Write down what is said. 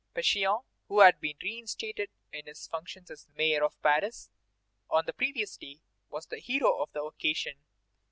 Pétion, who had been reinstated in his functions as mayor of Paris on the previous day, was the hero of the occasion.